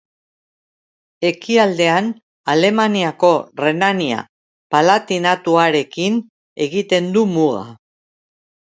Ekialdean Alemaniako Renania-Palatinatuarekin egiten du muga.